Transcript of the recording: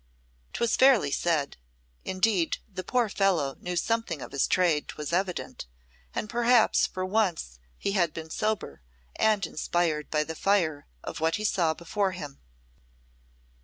'Twas fairly said. Indeed, the poor fellow knew something of his trade, 'twas evident, and perhaps for once he had been sober, and inspired by the fire of what he saw before him.